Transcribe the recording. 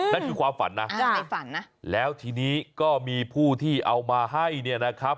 นั่นคือความฝันนะในฝันนะแล้วทีนี้ก็มีผู้ที่เอามาให้เนี่ยนะครับ